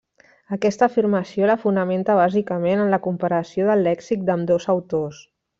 Aquesta afirmació la fonamenta bàsicament en la comparació del lèxic d'ambdós autors.